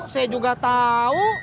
saya juga tau